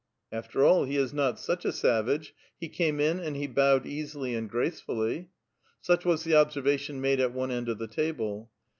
'*" After all, he is not such a savage ; he came in, and he bowed easily and gracefully." Such was the observation made at one end of the table.